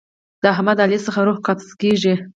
د احمد له علي څخه روح قبض کېږي.